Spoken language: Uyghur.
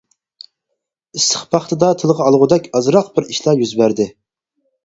ئىسسىق پاختىدا تىلغا ئالغۇدەك ئازراق بىر ئىشلار يۈز بەردى.